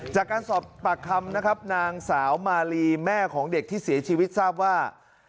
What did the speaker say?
จากการสอบปากคำนะครับนางสาวมาลีแม่ของเด็กที่เสียชีวิตทราบว่า